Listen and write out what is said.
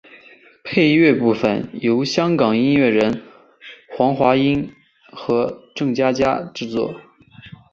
配乐部分由香港音乐人黄英华和郑嘉嘉制作。